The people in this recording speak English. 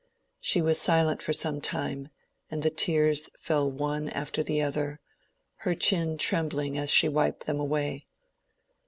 She was silent for some time; and the tears fell one after the other, her chin trembling as she wiped them away.